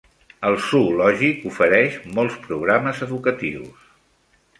El zoològic ofereix molts programes educatius.